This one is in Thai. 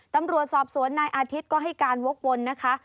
ตำรวจสอบสวนนายอาทิตย์ก็ให้การวกวนนะคะ